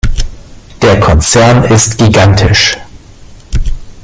Der Konzern ist gigantisch.